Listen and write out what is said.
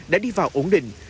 đã đi vào ổn định